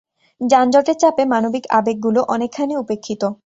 যানজটের চাপে মানবিক আবেগগুলো অনেকখানি উপেক্ষিত।